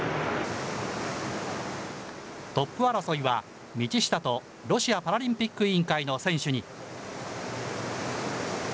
トップ争いは道下とロシアパラリンピック委員会の選手に。